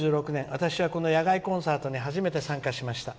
私はこの野外コンサートに初めて参加しました。